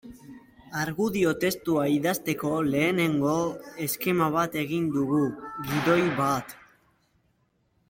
Argudio testua idazteko lehenengo eskema bat egin dugu, gidoi bat.